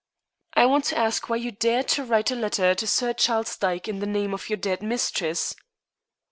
"I want to ask why you dared to write a letter to Sir Charles Dyke in the name of your dead mistress."